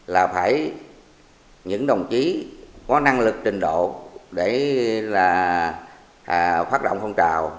là phải những đồng chí có năng lực trình độ để là phát động phong trào